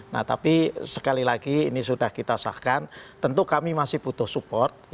nah tapi sekali lagi ini sudah kita sahkan tentu kami masih butuh support